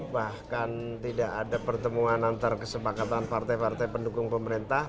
bahkan tidak ada pertemuan antara kesepakatan partai partai pendukung pemerintah